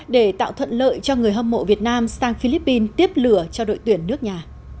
để tạo thuận lợi cho người hâm mộ việt nam sang philippines tiếp lửa cho đội tuyển nước nhà